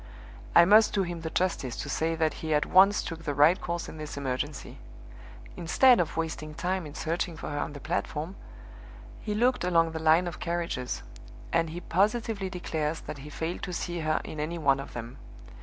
I must do him the justice to say that he at once took the right course in this emergency. Instead of wasting time in searching for her on the platform, he looked along the line of carriages; and he positively declares that he failed to see her in any one of them.